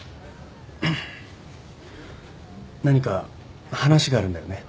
何か話があるんだよね？